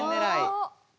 お！